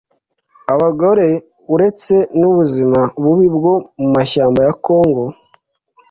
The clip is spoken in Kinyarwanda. Abagore bo uretse n’ubuzima bubi bwo mu mashyamba ya Congo